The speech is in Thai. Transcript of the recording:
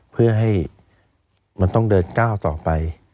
เพื่อให้มันต้องเดินก้าวต่อไป